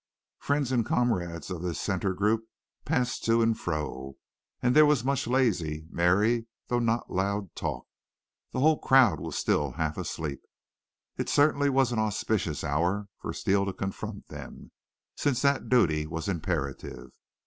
"Friends and comrades of this center group passed to and fro, and there was much lazy, merry, though not loud, talk. The whole crowd was still half asleep. It certainly was an auspicious hour for Steele to confront them, since that duty was imperative.